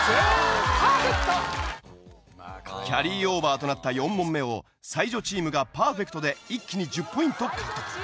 キャリーオーバーとなった４問目を才女チームがパーフェクトで一気に１０ポイント獲得。